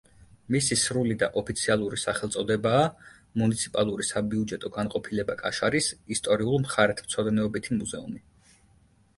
მისი სრული და ოფიციალური სახელწოდებაა „მუნიციპალური საბიუჯეტო განყოფილება კაშარის ისტორიულ-მხარეთმცოდნეობითი მუზეუმი“.